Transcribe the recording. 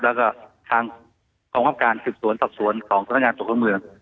แล้วก็ทางความความการถือสวนสับสวนของสนักงานส่วนสนุกเมือง